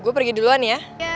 gue pergi duluan ya